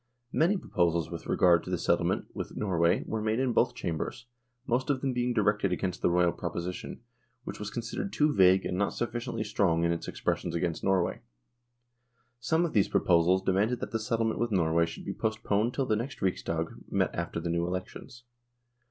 Many proposals with regard to the settlement with Norway were made in both Chambers, most of them being directed against the Royal proposition, which was considered too vague and not sufficiently strong in its expressions against Norway. Some of these proposals demanded that the settlement with Norway should be postponed till the next Riksdag met after the new elections.